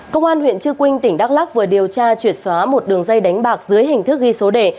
công an huyện trư quynh tỉnh đắk lắc vừa điều tra triệt xóa một đường dây đánh bạc dưới hình thức ghi số đề